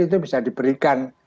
itu bisa diberikan